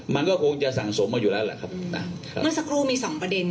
มันก็คงจะสั่งสมมาอยู่แล้วแหละครับอ่ะครับเมื่อสักครู่มีสองประเด็น